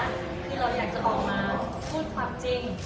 คือเราอยากจะออกมาพูดความจริง